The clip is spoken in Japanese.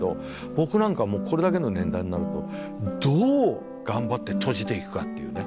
僕なんかもうこれだけの年代になるとどう頑張って閉じていくかっていうね。